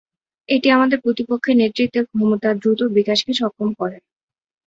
এটি আমাদের প্রতিপক্ষের নেতৃত্বের ক্ষমতার দ্রুত বিকাশকে সক্ষম করে।